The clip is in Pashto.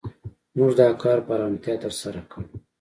موږ دا کار په آرامتیا تر سره کړ.